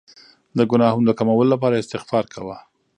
د ګناهونو د کمولو لپاره استغفار کوه.